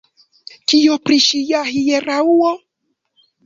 Kio pri ŝia hieraŭo?